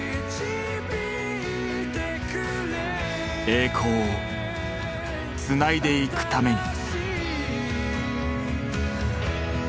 栄光をつないでいくために。